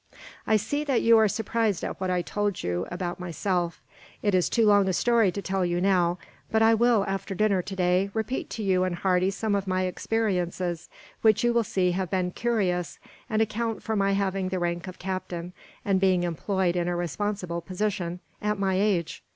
"I see that you are surprised at what I told you about myself; it is too long a story to tell you now, but I will, after dinner today, repeat to you and Hardy some of my experiences; which you will see have been curious, and account for my having the rank of captain, and being employed in a responsible position, at my age.